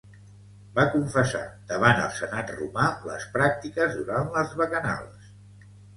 Va confessar davant el senat romà les pràctiques durant les bacanals.